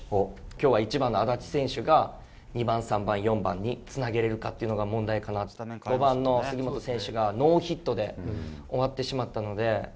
きょうは１番の安達選手が、２番、３番、４番につなげれるかっていうのが、問題かな、５番の杉本選手がノーヒットで終わってしまったので。